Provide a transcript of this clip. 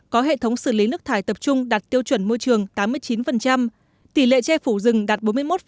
có hệ thống xử lý nước thải tập trung đạt tiêu chuẩn môi trường tám mươi chín tỷ lệ che phủ dừng đạt bốn mươi một tám mươi năm